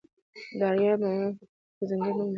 د اریوب معارف پکتیا کې ځانګړی نوم لري.